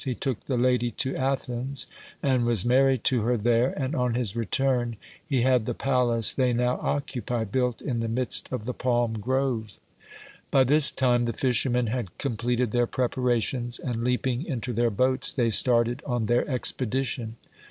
He took the lady to Athens and was married to her there, and on his return he had the palace they now occupy built in the midst of the palm grove." By this time the fishermen had completed their preparations and, leaping into their boats, they started on their expedition.